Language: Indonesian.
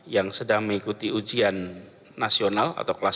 yang sedang mengikuti ujian nasional atau kelas dua belas